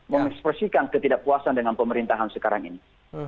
mengekspresikan ketidakpuasan dengan pemerintahan sekarang ini